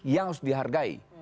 yang harus dihargai